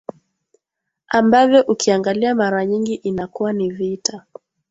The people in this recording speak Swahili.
ambavyo ukiangalia mara nyingi inakuwa ni vita